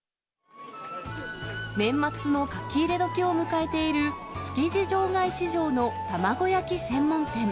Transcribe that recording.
年末の書き入れ時を迎えている築地場外市場の玉子焼き専門店。